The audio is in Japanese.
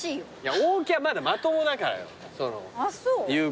大木はまだまともだからよ言うことが。